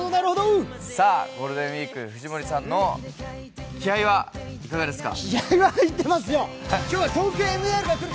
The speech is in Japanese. さあ、ゴールデンウイーク、藤森さんの気合いはいかがですか？